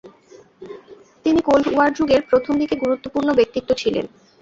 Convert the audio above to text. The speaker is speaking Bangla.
তিনি কোল্ড ওয়ার যুগের প্রথম দিকে গুরুত্বপূর্ণ ব্যক্তিত্ব ছিলেন।